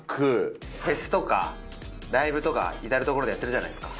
フェスとかライブとか、至る所でやってるじゃないですか。